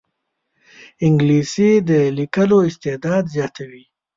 انګلیسي د لیکلو استعداد زیاتوي